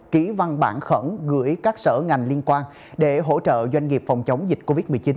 ký văn bản khẩn gửi các sở ngành liên quan để hỗ trợ doanh nghiệp phòng chống dịch covid một mươi chín